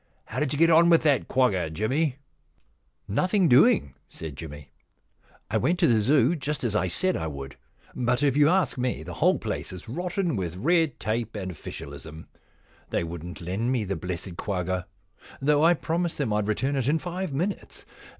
How did you get on with that quagga, Jimmy ?'* Nothing doing,' said Jimmy, * I went to the Zoo, just as I said I would. But, if you ask me, the whole place is rotten with red tape and ofHcialism. They wouldn't lend me the blessed quagga, though I promised them I'd return it in five minutes.